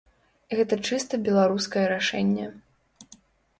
Гэта чыста беларускае рашэнне.